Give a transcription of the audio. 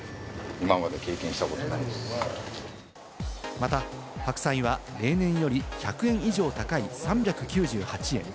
また白菜は例年より１００円以上高い３９８円。